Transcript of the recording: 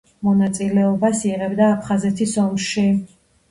მონაწილეობას იღებდა აფხაზეთის ომში.